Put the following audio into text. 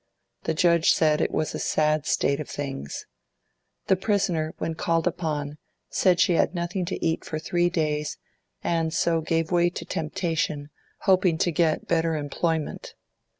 The Judge said it was a sad state of things. The prisoner, when called upon, said she had had nothing to eat for three days, and so gave way to temptation, hoping to get better employment.